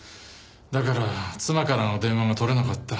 だから妻からの電話も取れなかった。